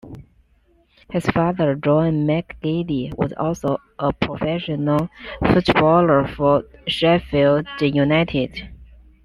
His father, John McGeady, was also a professional footballer for Sheffield United.